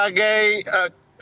dan juga mempunyai posisi yang berat